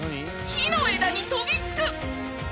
木の枝に跳びつく！